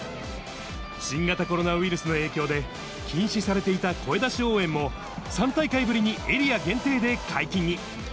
新型コロナウイルスの影響で、禁止されていた声出し応援も、３大会ぶりにエリア限定で解禁に。